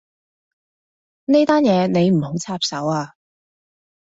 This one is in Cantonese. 呢單嘢你唔好插手啊